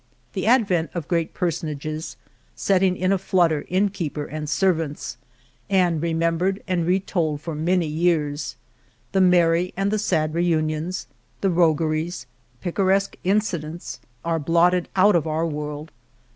The advent of great personages, setting in a flutter inn keeper and servants, and remembered and retold for many years ; the merry and the sad reunions, the rogueries, picaresque incidents, are blotted out of our world.